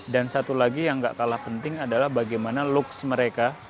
dan satu lagi yang tidak kalah penting adalah bagaimana looks mereka